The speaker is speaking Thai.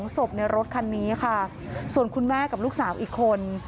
ศพในรถคันนี้ค่ะส่วนคุณแม่กับลูกสาวอีกคน